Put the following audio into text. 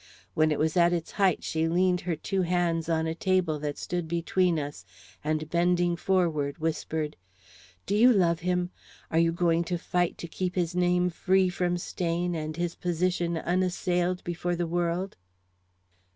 When it was at its height she leaned her two hands on a table that stood between us, and, bending forward, whispered: "Do you love him? Are you going to fight to keep his name free from stain and his position unassailed before the world?"